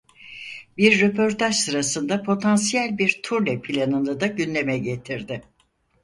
Bir röportaj sırasında potansiyel bir turne planını da gündeme getirdi.